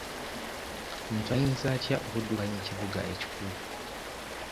Omuntu ayinza atya okuddukanya ekibuga ekikula?